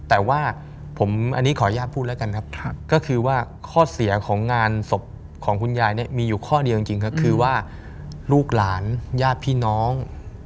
แต่ว่าผมอันนี้ขออนุญาตพูดแล้วกันครับก็คือว่าข้อเสียของงานศพของคุณยายเนี่ยมีอยู่ข้อเดียวจริงก็คือว่าลูกหลานญาติพี่น้อง